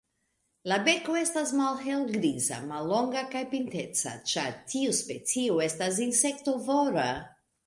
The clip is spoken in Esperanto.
La beko estas malhelgriza, mallonga kaj pinteca, ĉar tiu specio estas insektovora.